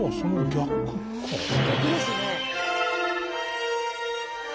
逆ですね。